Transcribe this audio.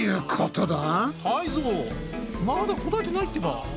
タイゾウまだ答えてないってば。